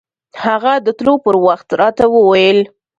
هغه د تلو پر وخت راته وويل.